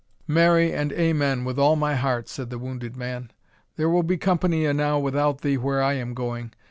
"Marry, and amen, with all my heart," said the wounded man, "there will be company enow without thee where I am going.